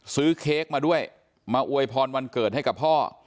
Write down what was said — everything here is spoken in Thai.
เค้กมาด้วยมาอวยพรวันเกิดให้กับพ่อ